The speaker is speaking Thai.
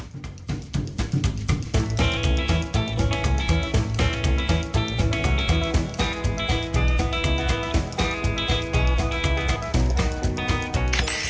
ครับ